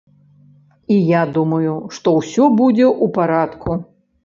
І я думаю, што ўсё будзе ў парадку!